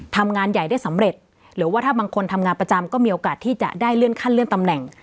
ทำงานใหญ่ได้สำเร็จหรือว่าถ้าบางคนทำงานประจำก็มีโอกาสที่จะได้เลื่อนขั้นเลื่อนตำแหน่ง